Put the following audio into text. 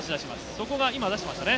そこが今、出してましたね。